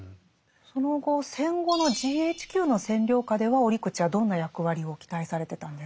その後戦後のＧＨＱの占領下では折口はどんな役割を期待されてたんですか？